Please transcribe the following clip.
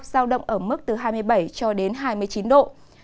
giao động ở mức từ hai mươi bảy cho đến hai mươi chín độ